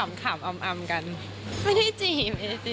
ไม่ได้จีบ